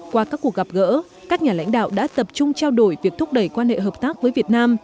qua các cuộc gặp gỡ các nhà lãnh đạo đã tập trung trao đổi việc thúc đẩy quan hệ hợp tác với việt nam